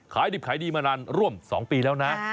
ขายดิบขายดีมานานร่วม๒ปีแล้วนะ